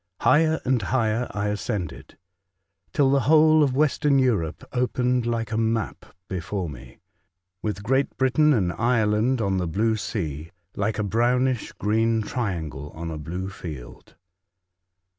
Higher and higher I ascended, till the whole of Western Europe opened like a map before me, with Great Britain and Ireland on the blue sea, like a brownish green triangle on a blue field.